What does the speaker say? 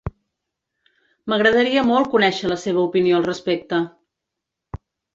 M'agradaria molt conèixer la seva opinió al respecte.